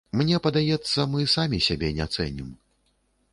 Мне падаецца, мы самі сябе не цэнім.